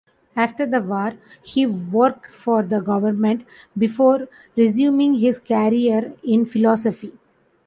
After the war, he worked for the government before resuming his career in philosophy.